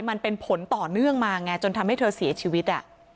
มันเป็นผลต่อเนื่องมาไงจนทำให้เธอเสียชีวิต